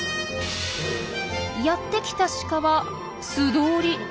やってきたシカは素通り。